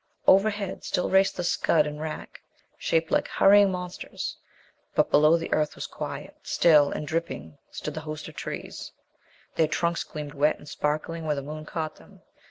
Overhead still raced the scud and wrack, shaped like hurrying monsters; but below the earth was quiet. Still and dripping stood the hosts of trees. Their trunks gleamed wet and sparkling where the moon caught them.